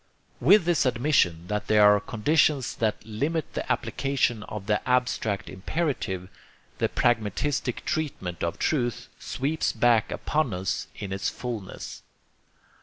With this admission that there are conditions that limit the application of the abstract imperative, THE PRAGMATISTIC TREATMENT OF TRUTH SWEEPS BACK UPON US IN ITS FULNESS.